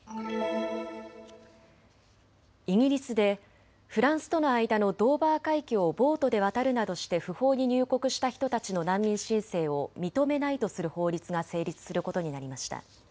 イギリスでフランスとの間のドーバー海峡をボートで渡るなどして不法に入国した人たちの難民申請を認めないとする法律が成立することになりました。